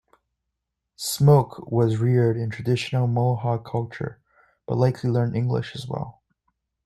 Smoke was reared in traditional Mohawk culture, but likely learned English as well.